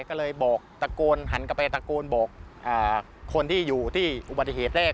ก็เลยบอกตะโกนหันกลับไปตะโกนบอกคนที่อยู่ที่อุบัติเหตุแรก